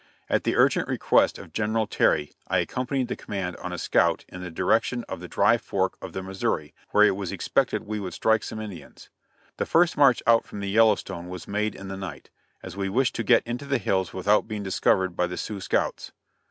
At the urgent request of General Terry I accompanied the command on a scout in the direction of the Dry Fork of the Missouri, where it was expected we would strike some Indians. The first march out from the Yellowstone was made in the night, as we wished to get into the hills without being discovered by the Sioux scouts.